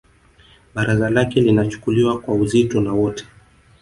Baraza lake linachukuliwa kwa uzito na wote